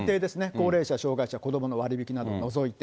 高齢者、障がい者、子どもの割引などを除いて。